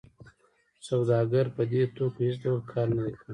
سوداګر په دې توکو هېڅ ډول کار نه دی کړی